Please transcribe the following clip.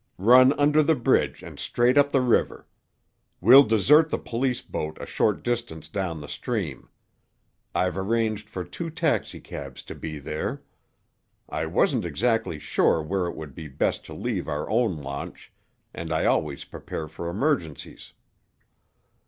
Run under the bridge and straight up the river. We'll desert the police boat a short distance down the stream. I've arranged for two taxicabs to be there. I wasn't exactly sure where it would be best to leave our own launch, and I always prepare for emergencies."